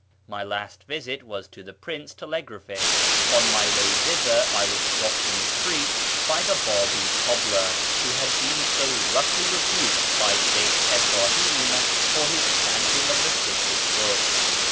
]\Iy last visit was to the Prince Telegraphist, On my way thither I was stopped in the street by the ]);ibi cobbler who had been so roughly rebuked by Sheykh Ibrtihim for his chanting of the sacred books.